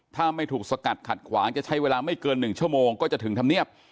ถ้าไม่ถูกสกัดขัดขวางจะใช้เวลาไม่เกิน๑ชั่วโมงก็จะถึงธรรมเนียบ